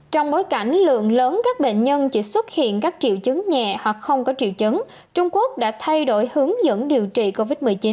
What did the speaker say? trong bối cảnh lượng lớn các bệnh nhân chỉ xuất hiện các triệu chứng nhẹ hoặc không có triệu chứng trung quốc đã thay đổi hướng dẫn điều trị covid một mươi chín